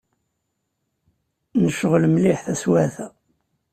Necɣel mliḥ taswiɛt-a.